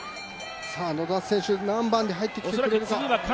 野田選手、何番で入ってきてくれるか。